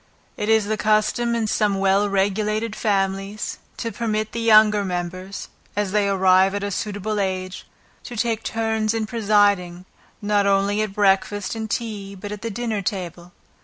It is the custom in some well regulated families, to permit the younger members, (as they arrive at a suitable age,) to take turns in presiding, not only at breakfast and tea, but at the dinner table.